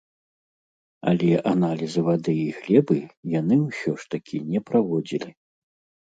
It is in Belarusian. Але аналізы вады і глебы яны ўсё ж такі не праводзілі.